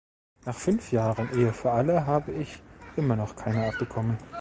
Nach fünf Jahren "Ehe für alle" habe ich immer noch keine abbekommen.